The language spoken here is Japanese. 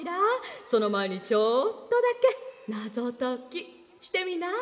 そのまえにちょっとだけナゾときしてみない？」。